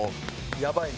やばいね。